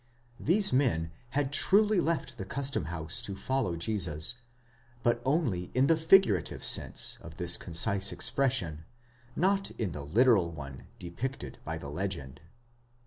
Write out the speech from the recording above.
These men had truly left the custom house to follow Jesus; but only in the figurative sense of this concise expression, not in the literal one depicted by the legend.